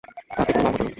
তাতে কোনো লাভ হত না।